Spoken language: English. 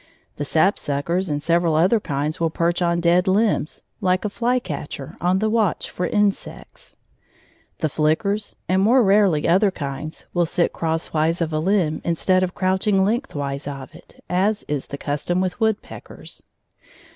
The sapsuckers and several other kinds will perch on dead limbs, like a flycatcher, on the watch for insects; the flickers, and more rarely other kinds, will sit crosswise of a limb instead of crouching lengthwise of it, as is the custom with woodpeckers.